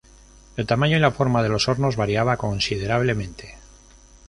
El tamaño y la forma de los hornos variaba considerablemente.